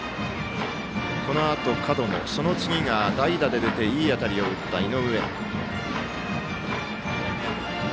このあと門野、その次は代打で出ていい当たりを打った井上。